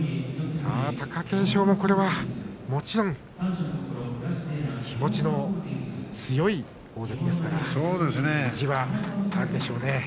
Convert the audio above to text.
さあ貴景勝もこれはもちろん気持ちの強い大関ですから意地があるでしょうね。